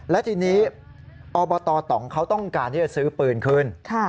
และทีนี้อบตตองเขาต้องการที่จะซื้อปืนขึ้น